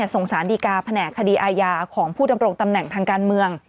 สารดีกาแผนกคดีอาญาของผู้ดำรงตำแหน่งทางการเมือง